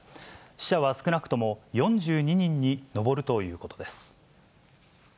死者は少なくとも４２人に上るということです。